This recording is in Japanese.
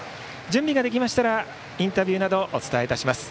準備ができましたらインタビューなどをお伝えいたします。